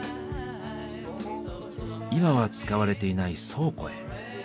今は使われていない倉庫へ。